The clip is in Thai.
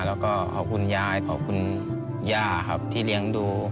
แล้วก็ขอบคุณยายขอบคุณย่าครับที่เลี้ยงดู